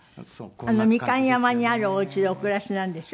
みかん山にあるお家でお暮らしなんでしょ？